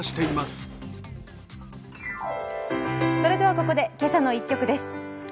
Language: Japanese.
それではここで「けさの１曲」です。